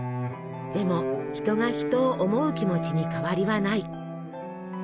でも「人が人を思う気持ち」に変わりはない。